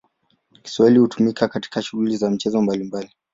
Kiswahili hutumika katika shughuli za michezo mbalimbali.